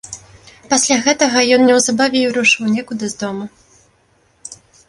Пасля гэтага ён неўзабаве і рушыў некуды з дому.